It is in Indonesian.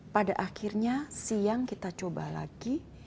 pada akhirnya siang kita coba lagi